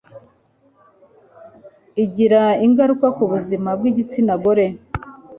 igira ingaruka ku buzima bw'igitsina gore